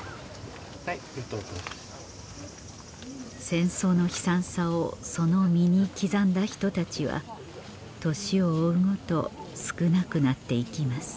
戦争の悲惨さをその身に刻んだ人たちは年を追うごと少なくなって行きます